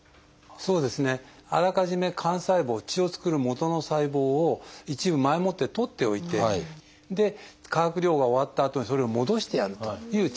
そうですねあらかじめ幹細胞血を造るもとの細胞を一部前もってとっておいて化学療法が終わったあとにそれを戻してやるという治療ですね。